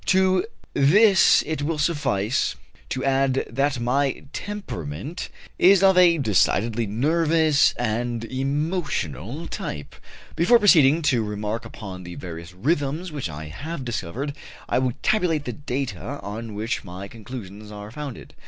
To this it will suffice to add that my temperament is of a decidedly nervous and emotional type. Before proceeding to remark upon the various rhythms that I have discovered, I will tabulate the data on which my conclusions are founded.